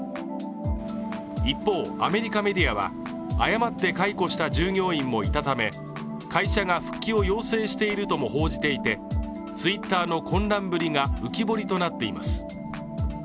一方、アメリカメディアは誤って解雇した従業員もいたため会社が復帰を要請しているとも報じていて、ツイッターの混乱ぶりが浮き彫りとなっています。